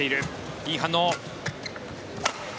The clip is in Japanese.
いい反応。